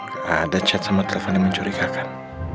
gak ada chat sama telepon yang mencurigakan